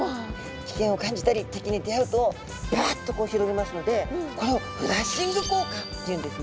危険を感じたり敵に出会うとバッとこう広げますのでこれをフラッシング効果っていうんですね。